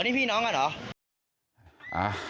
นี่พี่น้องอะเหรอ